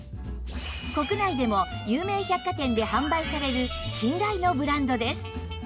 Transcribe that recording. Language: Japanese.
国内でも有名百貨店で販売される信頼のブランドです